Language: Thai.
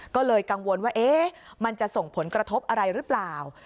ก็เลยกังวลว่ามันจะส่งผลกระทบอะไรหรือเปล่า